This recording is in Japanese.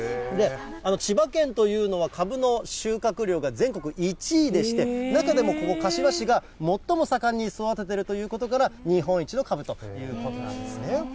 千葉県というのは、かぶの収穫量が全国１位でして、中でもここ、柏市が最も盛んに育てているということから、日本一のかぶということなんですね。